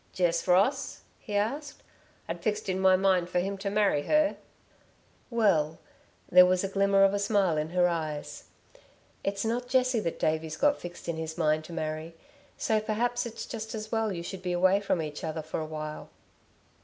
"Jess Ross?" he asked. "I'd fixed in my mind for him to marry her." "Well," there was the glimmer of a smile in her eyes. "It's not Jessie that Davey's got fixed in his mind to marry, so perhaps it's just as well you should be away from each other for a while."